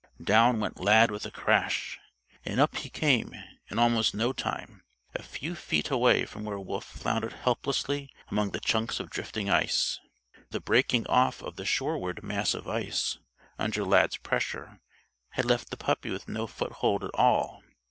Down went Lad with a crash, and up he came, in almost no time, a few feet away from where Wolf floundered helplessly among the chunks of drifting ice. The breaking off of the shoreward mass of ice, under Lad's pressure, had left the puppy with no foothold at all.